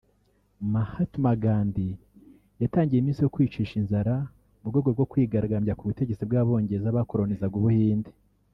Mahatma Gandhi yatangiye iminsi yo kwiyicisha inzara mu rwegorwo kwigaragambya ku butegetsi b’abongereza bakoronizaga ubuhinde